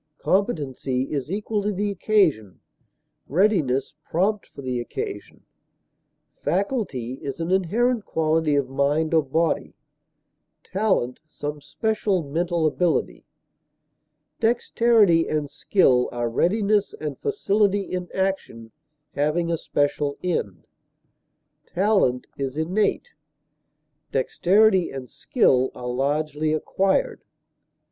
Competency is equal to the occasion, readiness prompt for the occasion. Faculty is an inherent quality of mind or body; talent, some special mental ability. Dexterity and skill are readiness and facility in action, having a special end; talent is innate, dexterity and skill are largely acquired.